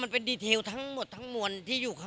มันเป็นรายงานทั้งบริเศษอยู่ใน